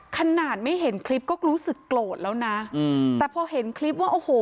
ขนาดไม่เห็นคลิปก็รู้สึกโกรธแล้วนะอืมแต่พอเห็นคลิปว่าโอ้โห